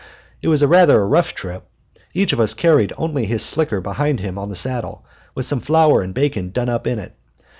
It was rather a rough trip. Each of us carried only his slicker behind him on the saddle, with some flour and bacon done up in it.